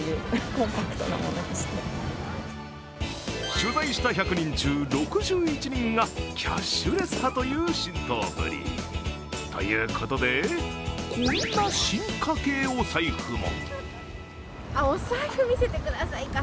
取材した１００人中６１人がキャッシュレス派という浸透ぶり。ということで、こんな進化系お財布も。